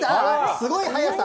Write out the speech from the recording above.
すごい速さ。